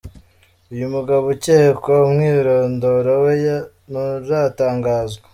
Uyu mugabo ucyekwa, umwirondoro we nturatangazwa.